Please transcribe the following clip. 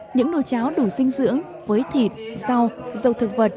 những nồi cháo đủ sinh dưỡng với thịt rau dầu thực vật